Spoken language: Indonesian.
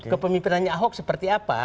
kepemimpinannya ahok seperti apa